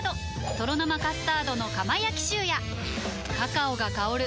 「とろ生カスタードの窯焼きシュー」やカカオが香る！